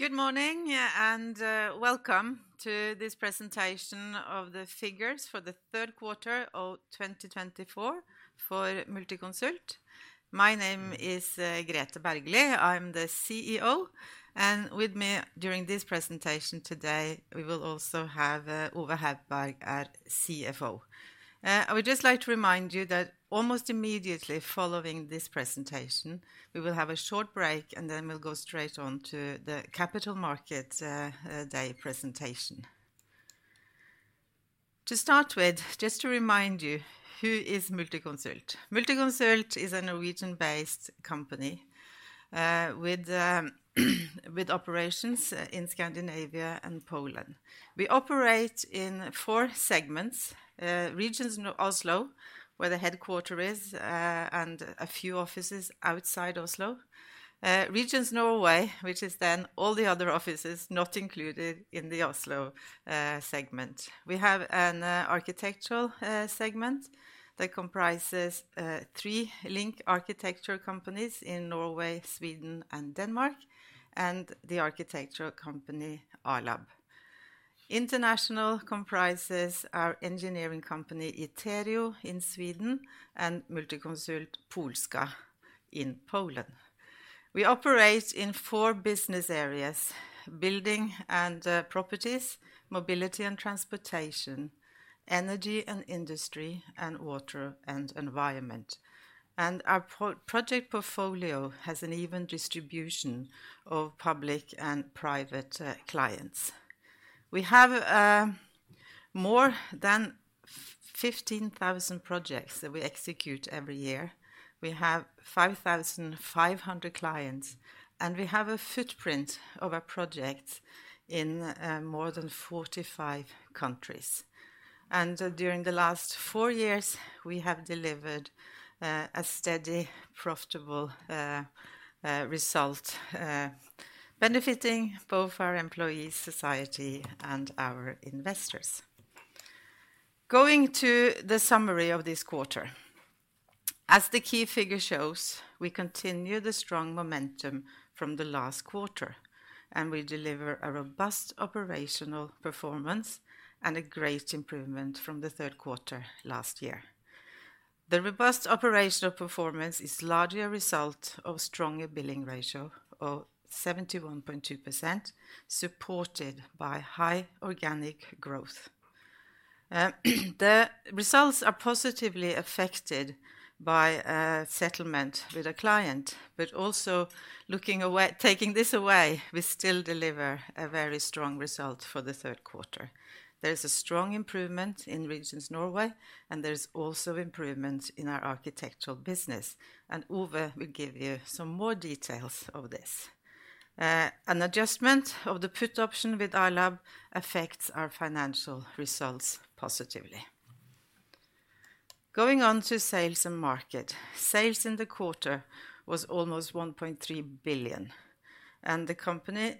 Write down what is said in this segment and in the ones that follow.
Good morning and welcome to this presentation of the figures for the third quarter of 2024 for Multiconsult. My name is Grethe Bergly. I'm the CEO, and with me during this presentation today, we will also have Ove Haupberg, our CFO. I would just like to remind you that almost immediately following this presentation, we will have a short break and then we'll go straight on to the Capital Markets Day presentation. To start with, just to remind you, who is Multiconsult? Multiconsult is a Norwegian-based company with operations in Scandinavia and Poland. We operate in four segments: Region Oslo, where the headquarters is, and a few offices outside Oslo. Region Norway, which is then all the other offices not included in the Oslo segment. We have an architectural segment that comprises three LINK architecture companies in Norway, Sweden, and Denmark, and the architecture company A-lab. International comprises our engineering company Iterio in Sweden and Multiconsult Polska in Poland. We operate in four business areas: Buildings & Properties, Mobility & Transportation, Energy & Industry, and Water & Environment. And our project portfolio has an even distribution of public and private clients. We have more than 15,000 projects that we execute every year. We have 5,500 clients, and we have a footprint of our projects in more than 45 countries. And during the last four years, we have delivered a steady, profitable result, benefiting both our employees, society, and our investors. Going to the summary of this quarter. As the key figure shows, we continue the strong momentum from the last quarter, and we deliver a robust operational performance and a great improvement from the third quarter last year. The robust operational performance is largely a result of a stronger billing ratio of 71.2%, supported by high organic growth. The results are positively affected by settlement with a client, but also looking away, taking this away, we still deliver a very strong result for the third quarter. There is a strong improvement in Region Norway, and there is also improvement in our architectural business. And Ove will give you some more details of this. An adjustment of the put option with A-lab affects our financial results positively. Going on to sales and market. Sales in the quarter was almost 1.3 billion NOK, and the company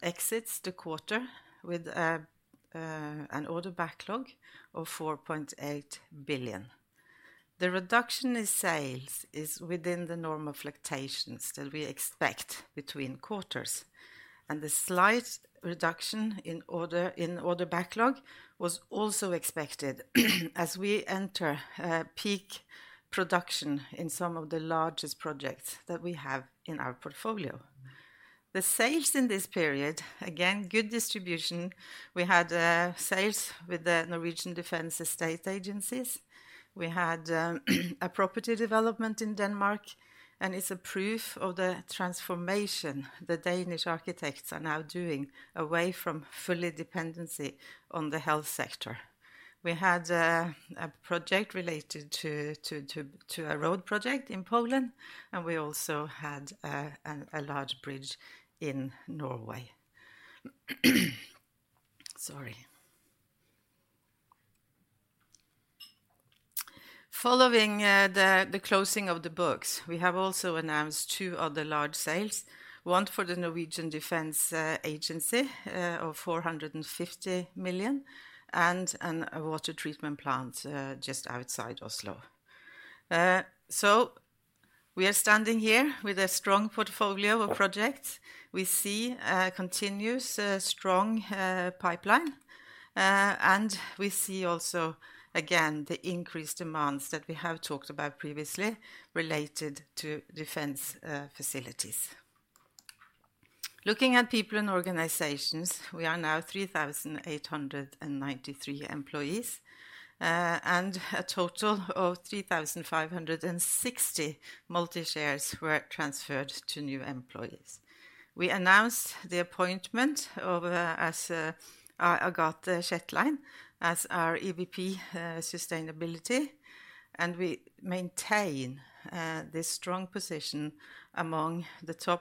exits the quarter with an order backlog of 4.8 billion NOK. The reduction in sales is within the normal fluctuations that we expect between quarters. The slight reduction in order backlog was also expected as we enter peak production in some of the largest projects that we have in our portfolio. The sales in this period, again, good distribution. We had sales with the Norwegian Defence Estates Agency. We had a property development in Denmark, and it's a proof of the transformation the Danish architects are now moving away from full dependency on the health sector. We had a project related to a road project in Poland, and we also had a large bridge in Norway. Sorry. Following the closing of the books, we have also announced two other large sales, one for the Norwegian Defence Agency of 450 million and a water treatment plant just outside Oslo. We are standing here with a strong portfolio of projects. We see a continuous strong pipeline, and we see also, again, the increased demands that we have talked about previously related to defense facilities. Looking at people and organizations, we are now 3,893 employees, and a total of 3,560 multi-shares were transferred to new employees. We announced the appointment of Agathe Kjetland as our EVP Sustainability, and we maintain this strong position among the top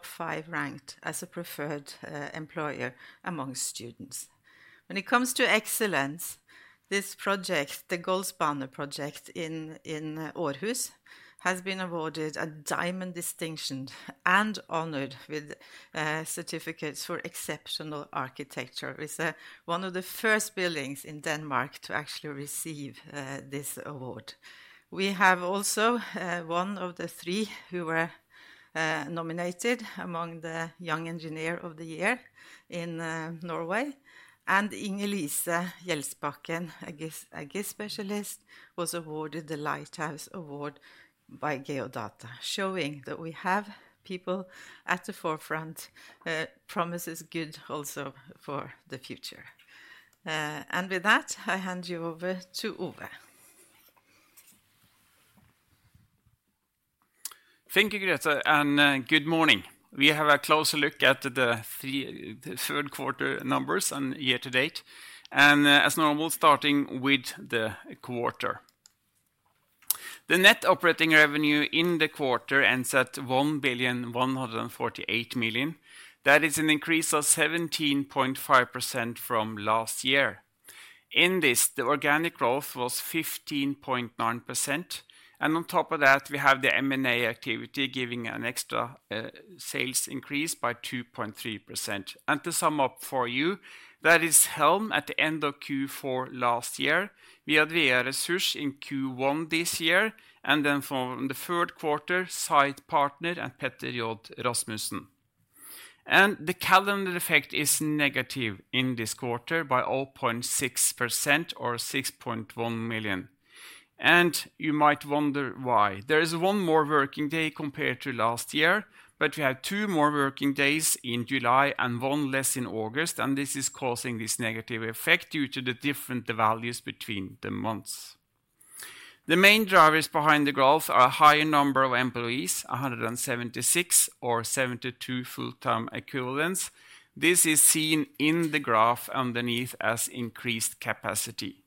five ranked as a preferred employer among students. When it comes to excellence, this project, the Guldsmeden project in Aarhus, has been awarded a diamond distinction and honored with certificates for exceptional architecture. It's one of the first buildings in Denmark to actually receive this award. We have also one of the three who were nominated among the Young Engineer of the Year in Norway, and Inger Lise Hjelsbakken, a GIS specialist, was awarded the Lighthouse Award by Geodata, showing that we have people at the forefront, promises good also for the future. And with that, I hand you over to Ove. Thank you, Grethe, and good morning. We have a closer look at the third quarter numbers and year to date, and as normal, starting with the quarter. The net operating revenue in the quarter ends at 1,148 million. That is an increase of 17.5% from last year. In this, the organic growth was 15.9%, and on top of that, we have the M&A activity giving an extra sales increase by 2.3%, and to sum up for you, that is HLM at the end of Q4 last year. We had Vær Resurs in Q1 this year, and then from the third quarter, Sydpartner and Petter J. Rasmussen, and the calendar effect is negative in this quarter by 0.6% or 6.1 million, and you might wonder why. There is one more working day compared to last year, but we have two more working days in July and one less in August, and this is causing this negative effect due to the different values between the months. The main drivers behind the growth are a higher number of employees, 176 or 72 full-time equivalents. This is seen in the graph underneath as increased capacity.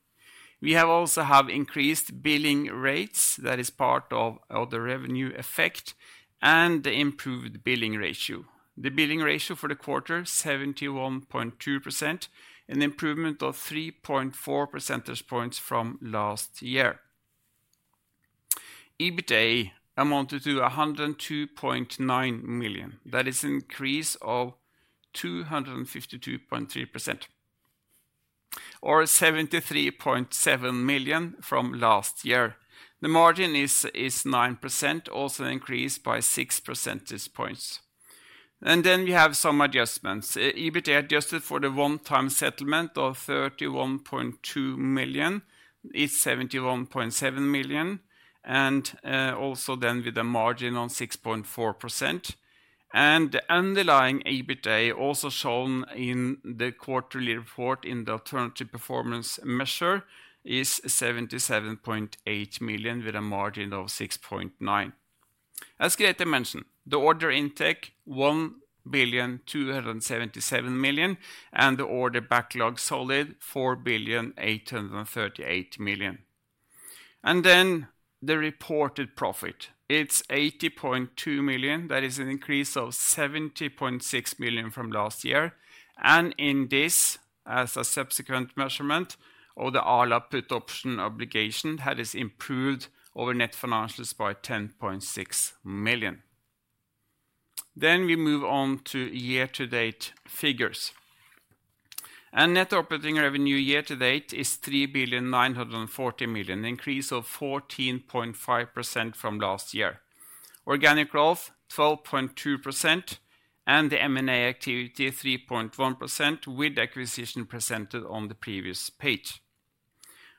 We also have increased billing rates. That is part of the revenue effect and the improved billing ratio. The billing ratio for the quarter, 71.2%, an improvement of 3.4 percentage points from last year. EBITDA amounted to 102.9 million. That is an increase of 252.3% or 73.7 million from last year. The margin is 9%, also increased by 6 percentage points, and then we have some adjustments. EBITDA adjusted for the one-time settlement of 31.2 million is 71.7 million, and also then with a margin of 6.4%. The underlying EBITDA, also shown in the quarterly report in the alternative performance measure, is 77.8 million with a margin of 6.9%. As Grethe mentioned, the order intake, 1,277 million, and the order backlog solid, 4,838 million. The reported profit, it is 80.2 million. That is an increase of 70.6 million from last year. In this, as a subsequent measurement, all the A-lab put option obligation has improved over net financials by 10.6 million. We move on to year-to-date figures. Net operating revenue year-to-date is 3,940 million, an increase of 14.5% from last year. Organic growth, 12.2%, and the M&A activity, 3.1%, with acquisition presented on the previous page.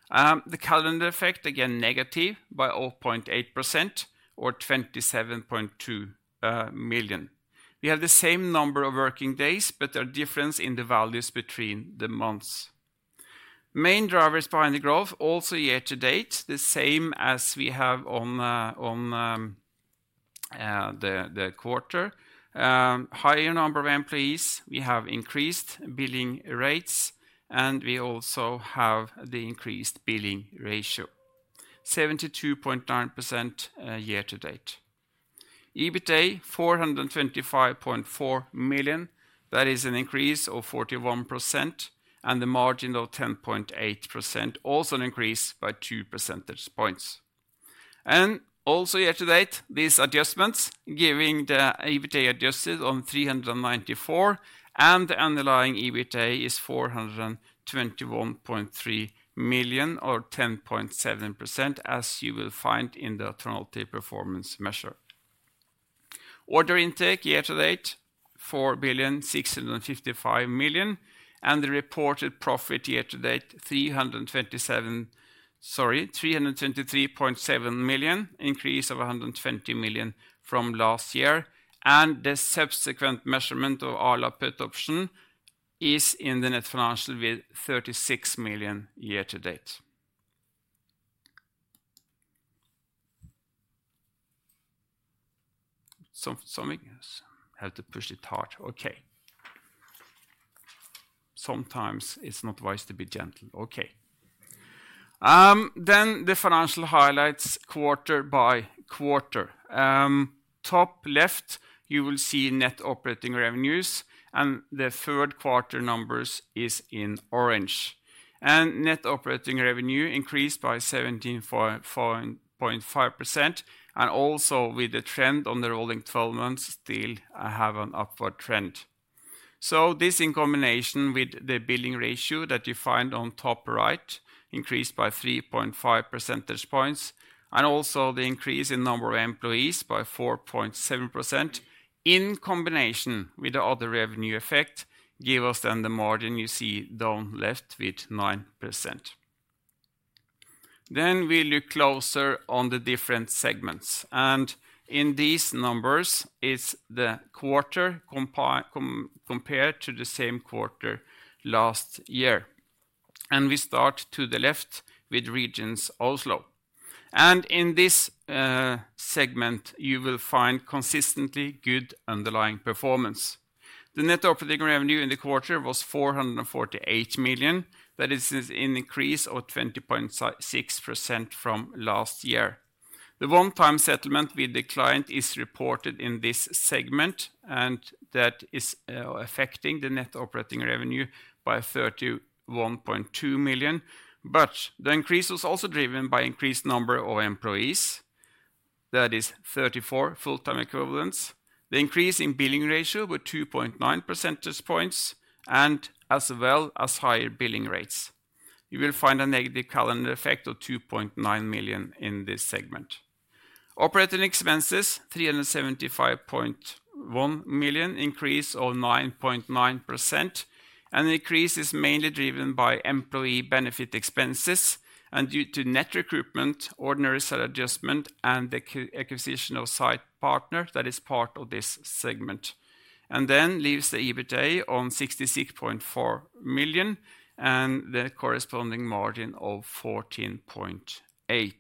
The calendar effect, again, negative by 0.8% or 27.2 million. We have the same number of working days, but there are differences in the values between the months. Main drivers behind the growth, also year-to-date, the same as we have on the quarter. Higher number of employees, we have increased billing rates, and we also have the increased billing ratio, 72.9% year-to-date. EBITDA, 425.4 million. That is an increase of 41%, and the margin of 10.8%, also an increase by 2 percentage points. And also year-to-date, these adjustments giving the EBITDA adjusted on 394, and the underlying EBITDA is 421.3 million or 10.7%, as you will find in the alternative performance measure. Order intake year-to-date, 4,655 million, and the reported profit year-to-date, 323.7 million, increase of 120 million from last year. And the subsequent measurement of A-lab put option is in the net financial with 36 million year-to-date. Something has to push it hard. Okay. Sometimes it's not wise to be gentle. Okay. Then, the financial highlights quarter by quarter. Top left, you will see net operating revenues, and the third quarter numbers is in orange. And net operating revenue increased by 17.5%, and also with the trend on the rolling 12 months, still have an upward trend. So this in combination with the billing ratio that you find on top right, increased by 3.5 percentage points, and also the increase in number of employees by 4.7% in combination with the other revenue effect give us then the margin you see down left with 9%. Then we look closer on the different segments. And in these numbers, it's the quarter compared to the same quarter last year. And we start to the left with Region Oslo. And in this segment, you will find consistently good underlying performance. The net operating revenue in the quarter was 448 million. That is an increase of 20.6% from last year. The one-time settlement with the client is reported in this segment, and that is affecting the net operating revenue by 31.2 million. But the increase was also driven by increased number of employees. That is 34 full-time equivalents. The increase in billing ratio with 2.9 percentage points and as well as higher billing rates. You will find a negative calendar effect of 2.9 million in this segment. Operating expenses, 375.1 million, increase of 9.9%. And the increase is mainly driven by employee benefit expenses and due to net recruitment, ordinary salary adjustment, and the acquisition of Sydpartner. That is part of this segment. And then leaves the EBITDA on 66.4 million and the corresponding margin of 14.8%.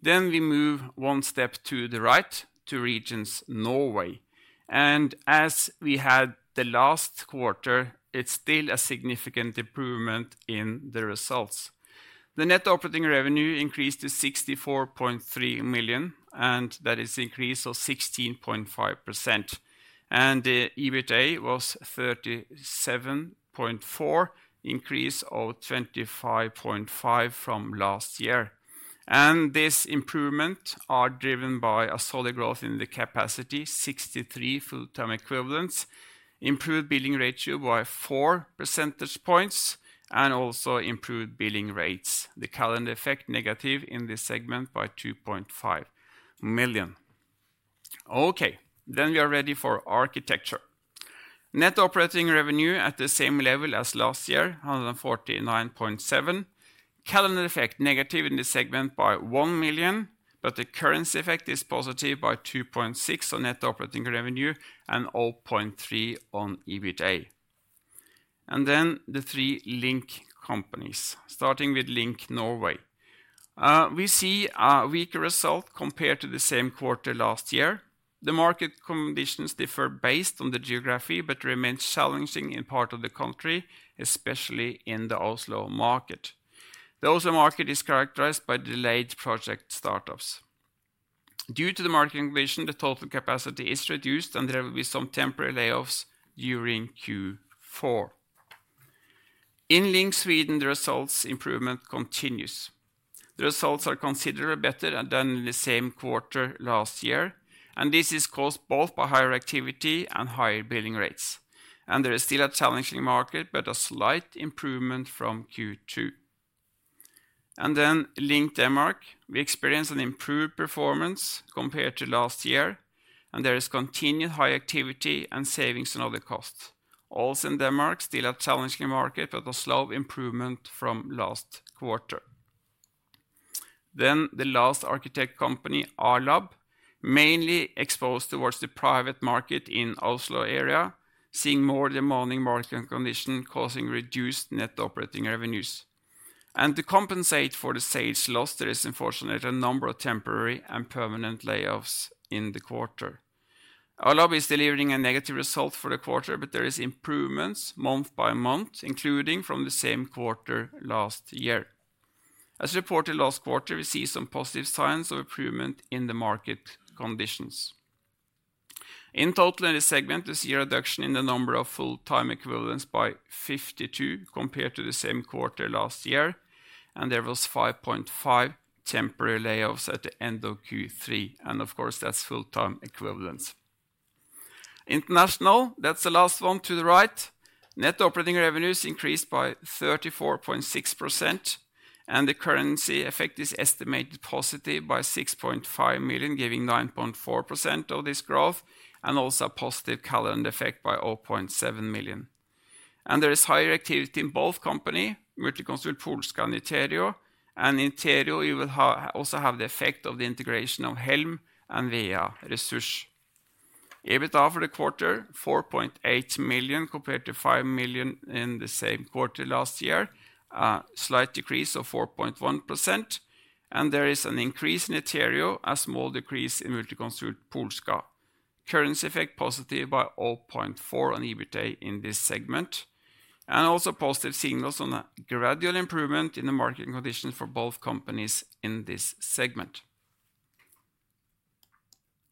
Then we move one step to the right to Region Norway. And as we had the last quarter, it's still a significant improvement in the results. The net operating revenue increased to 64.3 million, and that is an increase of 16.5%. And the EBITDA was 37.4, increase of 25.5% from last year. And this improvement is driven by a solid growth in the capacity, 63 full-time equivalents, improved billing ratio by 4 percentage points, and also improved billing rates. The calendar effect negative in this segment by 2.5 million. Okay, then we are ready for architecture. Net operating revenue at the same level as last year, 149.7. Calendar effect negative in this segment by 1 million, but the currency effect is positive by 2.6 on net operating revenue and 0.3 on EBITDA. And then the three LINK companies, starting with LINK Norway. We see a weaker result compared to the same quarter last year. The market conditions differ based on the geography, but remain challenging in part of the country, especially in the Oslo market. The Oslo market is characterized by delayed project startups. Due to the market condition, the total capacity is reduced, and there will be some temporary layoffs during Q4. In LINK Sweden, the results improvement continues. The results are considerably better than in the same quarter last year, and this is caused both by higher activity and higher billing rates. And there is still a challenging market, but a slight improvement from Q2. And then LINK Denmark, we experience an improved performance compared to last year, and there is continued high activity and savings on other costs. Also in Denmark, still a challenging market, but a slow improvement from last quarter. Then the last architect company, A-lab, mainly exposed towards the private market in Oslo area, seeing more demanding market condition causing reduced net operating revenues. And to compensate for the sales loss, there is unfortunately a number of temporary and permanent layoffs in the quarter. A-lab is delivering a negative result for the quarter, but there are improvements month by month, including from the same quarter last year. As reported last quarter, we see some positive signs of improvement in the market conditions. In total in this segment, we see a reduction in the number of full-time equivalents by 52 compared to the same quarter last year, and there was 5.5 temporary layoffs at the end of Q3. And of course, that's full-time equivalents. International, that's the last one to the right. Net operating revenues increased by 34.6%, and the currency effect is estimated positive by 6.5 million, giving 9.4% of this growth, and also a positive calendar effect by 0.7 million, and there is higher activity in both companies, Multiconsult Polska and Iterio. You will also have the effect of the integration of HLM and Vær Resurs. EBITDA for the quarter, 4.8 million compared to 5 million in the same quarter last year, a slight decrease of 4.1%, and there is an increase in Iterio, a small decrease in Multiconsult Polska. Currency effect positive by 0.4 million on EBITDA in this segment, and also positive signals on a gradual improvement in the market conditions for both companies in this segment,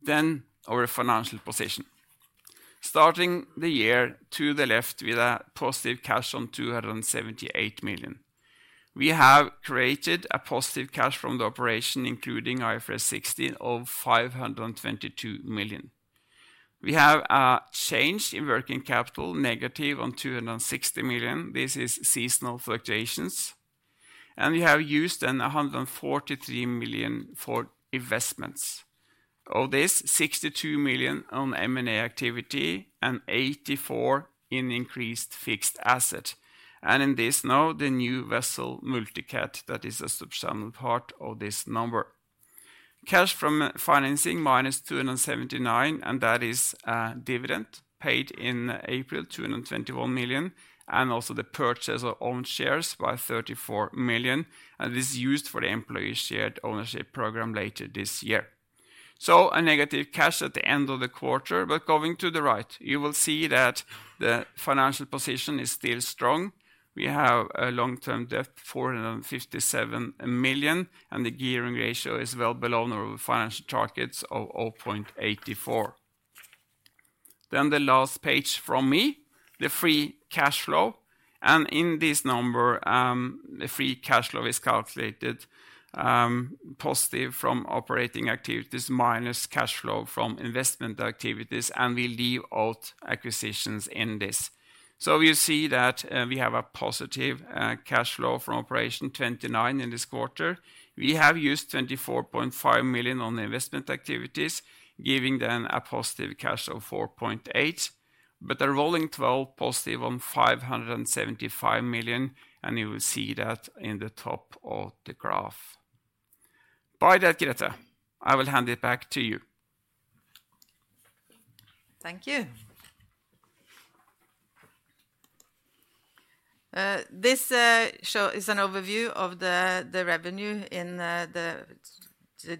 then our financial position. Starting the year to the left with a positive cash on 278 million. We have created a positive cash from the operation, including IFRS 16 of 522 million. We have a change in working capital negative on 260 million. This is seasonal fluctuations, and we have used then 143 million for investments. Of this, 62 million on M&A activity and 84 in increased fixed asset, and in this note, the new vessel Multicat, that is a substantial part of this number. Cash from financing minus 279, and that is a dividend paid in April, 221 million, and also the purchase of own shares by 34 million, and this is used for the Employee Share Ownership Program later this year, so a negative cash at the end of the quarter, but going to the right, you will see that the financial position is still strong. We have a long-term debt of 457 million, and the gearing ratio is well below our financial targets of 0.84. Then the last page from me, the free cash flow. And in this number, the free cash flow is calculated positive from operating activities minus cash flow from investment activities, and we leave out acquisitions in this. So you see that we have a positive cash flow from operations of 29 million in this quarter. We have used 24.5 million on investment activities, giving then a positive cash flow of 4.8 million, but the rolling 12 months positive of 575 million, and you will see that in the top of the graph. By that, Grethe, I will hand it back to you. Thank you. This slide is an overview of the revenue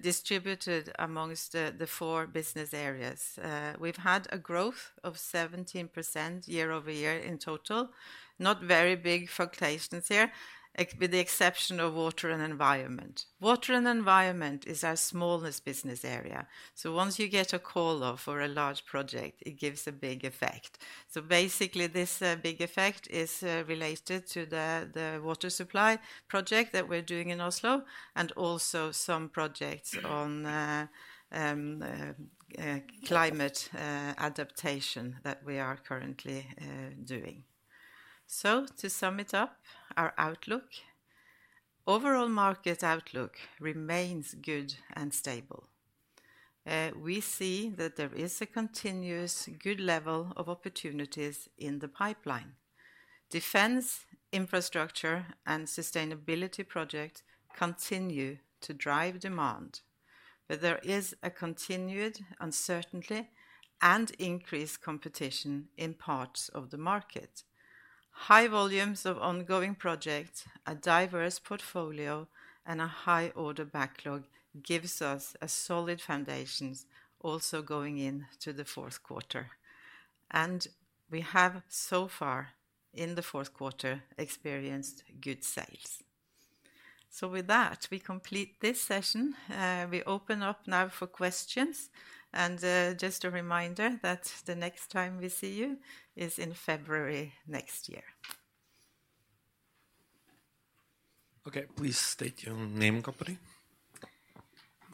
distributed among the four business areas. We've had a growth of 17% year over year in total, not very big fluctuations here, with the exception of Water & Environment. Water & Environment is our smallest business area, so once you get a call-off for a large project, it gives a big effect, so basically, this big effect is related to the water supply project that we're doing in Oslo, and also some projects on climate adaptation that we are currently doing, so to sum it up, our outlook, overall market outlook remains good and stable. We see that there is a continuous good level of opportunities in the pipeline. Defense, infrastructure, and sustainability projects continue to drive demand, but there is a continued uncertainty and increased competition in parts of the market. High volumes of ongoing projects, a diverse portfolio, and a high order backlog gives us a solid foundation also going into the fourth quarter. We have so far in the fourth quarter experienced good sales. With that, we complete this session. We open up now for questions. Just a reminder that the next time we see you is in February next year. Okay, please state your name, company.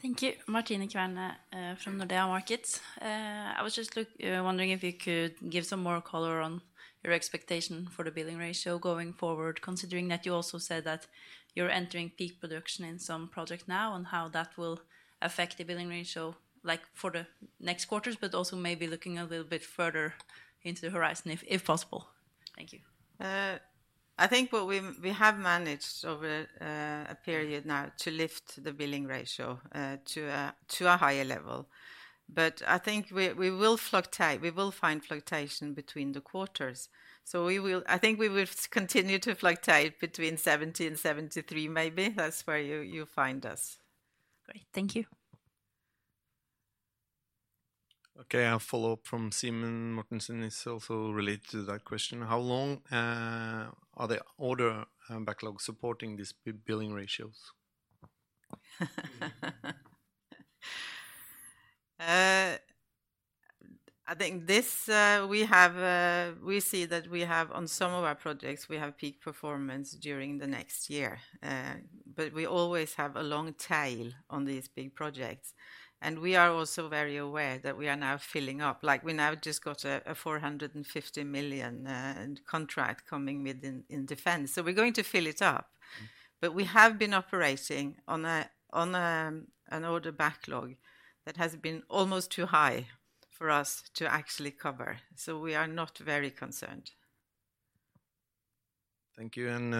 Thank you, Martine Kverne from Nordea Markets. I was just wondering if you could give some more color on your expectation for the billing ratio going forward, considering that you also said that you're entering peak production in some projects now and how that will affect the billing ratio for the next quarters, but also maybe looking a little bit further into the horizon if possible. Thank you. I think what we have managed over a period now to lift the billing ratio to a higher level. I think we will fluctuate, we will find fluctuation between the quarters. So I think we will continue to fluctuate between 70% and 73% maybe. That's where you find us. Great, thank you. Okay, a follow-up from Simen Mortensen is also related to that question. How long are the order backlogs supporting these billing ratios? I think this we see that we have on some of our projects, we have peak performance during the next year. But we always have a long tail on these big projects. And we are also very aware that we are now filling up. Like we now just got a 450 million contract coming within defense. So we're going to fill it up. But we have been operating on an order backlog that has been almost too high for us to actually cover. So we are not very concerned. Thank you. And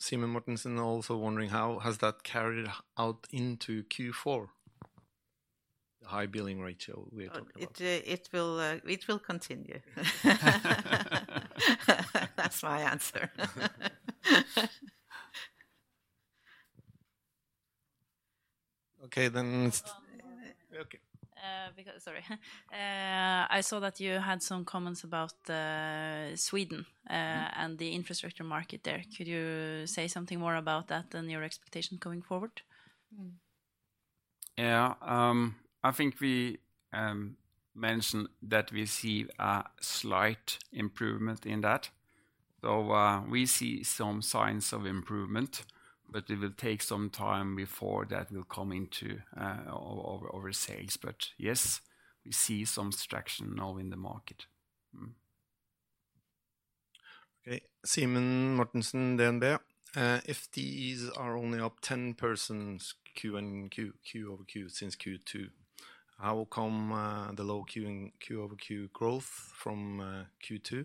Simen Mortensen also wondering how has that carried out into Q4? The high billing ratio we're talking about. It will continue. That's my answer. Okay, then. Okay. Sorry. I saw that you had some comments about Sweden and the infrastructure market there. Could you say something more about that and your expectation coming forward? Yeah, I think we mentioned that we see a slight improvement in that. So we see some signs of improvement, but it will take some time before that will come into our sales. But yes, we see some traction now in the market. Okay, Simen Mortensen, DNB. FTEs are only up 10% Q over Q since Q2. How come the low Q over Q growth from Q2?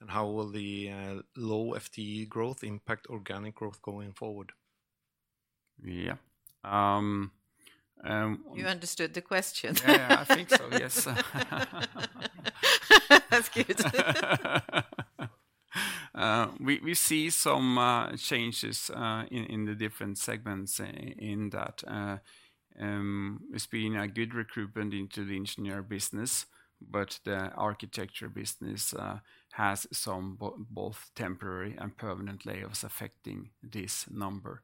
And how will the low FTE growth impact organic growth going forward? Yeah. You understood the question. Yeah, I think so, yes. That's good. We see some changes in the different segments in that. It's been a good recruitment into the engineer business, but the architecture business has some both temporary and permanent layoffs affecting this number,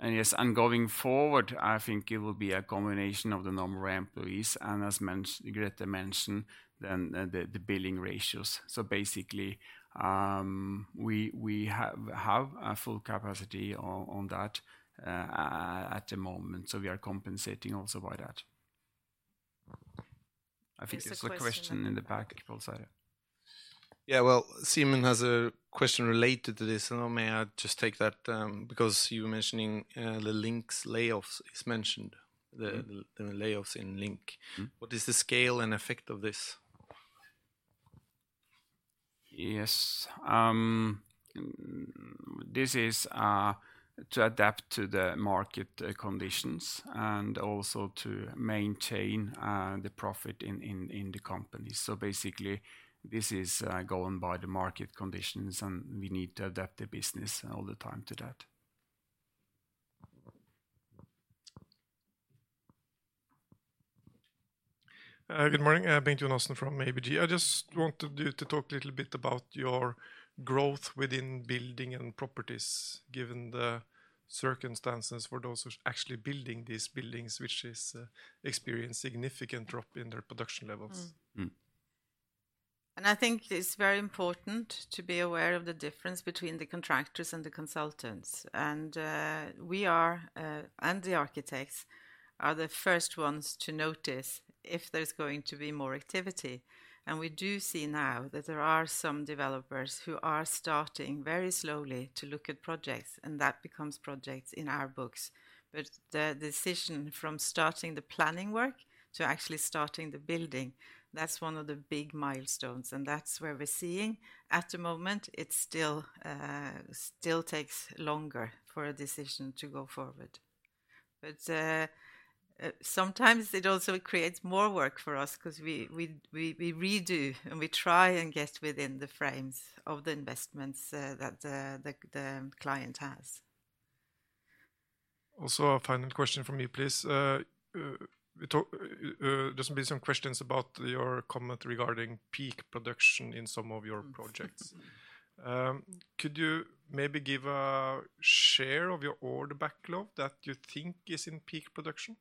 and yes, and going forward, I think it will be a combination of the number of employees and, as Grethe mentioned, then the billing ratios, so basically, we have a full capacity on that at the moment, so we are compensating also by that. I think there's a question in the back. Yeah, well, Simon has a question related to this. May I just take that? Because you were mentioning the LINK's layoffs is mentioned, the layoffs in LINK. What is the scale and effect of this? Yes. This is to adapt to the market conditions and also to maintain the profit in the company, so basically, this is going by the market conditions and we need to adapt the business all the time to that. Good morning, Benjamin Olsen from ABG. I just wanted you to talk a little bit about your growth within Buildings & Properties, given the circumstances for those who are actually building these buildings, which has experienced a significant drop in their production levels. And I think it's very important to be aware of the difference between the contractors and the consultants, and we are, and the architects are the first ones to notice if there's going to be more activity, and we do see now that there are some developers who are starting very slowly to look at projects, and that becomes projects in our books, but the decision from starting the planning work to actually starting the building, that's one of the big milestones, and that's where we're seeing at the moment, it still takes longer for a decision to go forward. But sometimes it also creates more work for us because we redo and we try and get within the frames of the investments that the client has. Also, a final question from you, please. There's been some questions about your comment regarding peak production in some of your projects. Could you maybe give a share of your order backlog that you think is in peak production?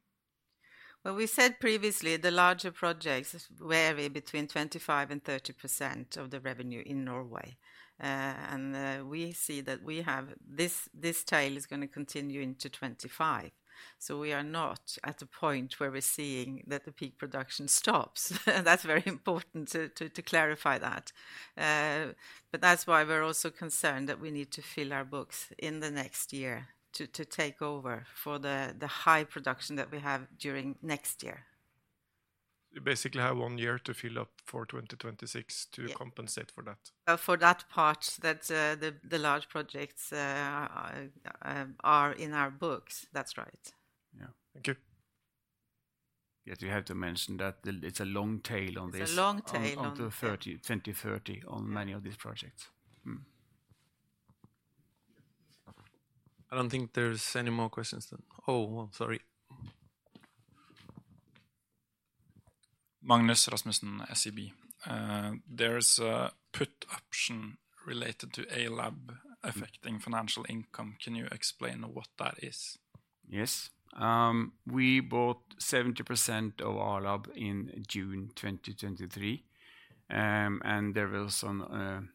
Well, we said previously the larger projects were between 25%-30% of the revenue in Norway. And we see that we have this tail is going to continue into 2025. So we are not at a point where we're seeing that the peak production stops. And that's very important to clarify that. But that's why we're also concerned that we need to fill our books in the next year to take over for the high production that we have during next year. You basically have one year to fill up for 2026 to compensate for that. For that part that the large projects are in our books, that's right. Yeah, thank you. Yeah, you have to mention that it's a long tail on this. It's a long tail on this. Up to 2030 on many of these projects. I don't think there's any more questions. Oh, sorry. Magnus Rasmussen, SEB. There's a put option related to A-lab affecting financial income. Can you explain what that is? Yes. We bought 70% of A-lab in June 2023. And there was an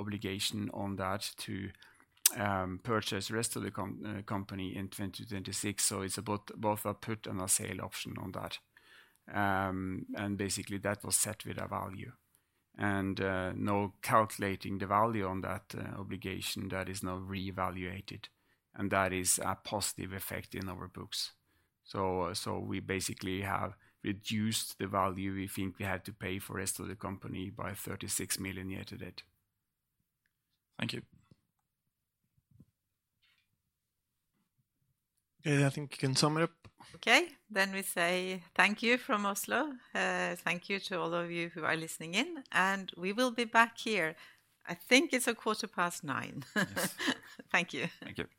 obligation on that to purchase the rest of the company in 2026. So it's both a put and a sale option on that. And basically, that was set with a value. And now calculating the value on that obligation, that is now reevaluated. And that is a positive effect in our books. So we basically have reduced the value we think we had to pay for the rest of the company by 36 million year to date. Thank you. Okay, I think you can sum it up. Okay, then we say thank you from Oslo. Thank you to all of you who are listening in. And we will be back here. I think it's 9:15 A.M. Thank you. Thank you.